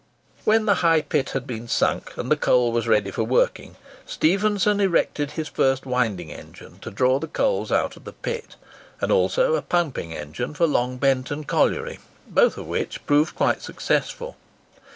When the High Pit had been sunk, and the coal was ready for working, Stephenson erected his first winding engine to draw the coals out of the pit, and also a pumping engine for Long Benton Colliery, both of which proved quite successful.